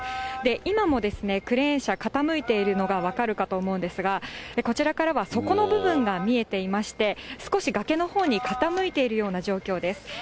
今もクレーン車、傾いているのが分かるかと思うんですが、こちらからは底の部分が見えていまして、少し崖のほうに傾いているような状況です。